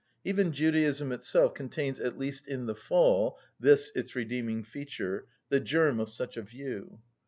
Even Judaism itself contains at least in the fall (this its redeeming feature) the germ of such a view.